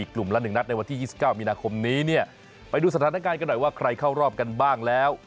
กลุ่มละ๑นัดในวันที่๒๙มีนาคมนี้เนี่ยไปดูสถานการณ์กันหน่อยว่าใครเข้ารอบกันบ้างแล้ว